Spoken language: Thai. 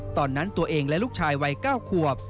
ตอนนั้นตัวเองและลูกชายวัย๙ขวบ